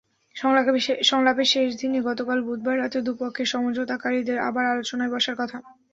সংলাপের শেষ দিনে গতকাল বুধবার রাতে দুপক্ষের সমঝোতাকারীদের আবার আলোচনায় বসার কথা।